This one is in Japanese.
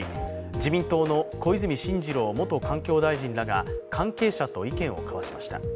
自民党の小泉進次郎元環境大臣らが関係者と意見を交わしました。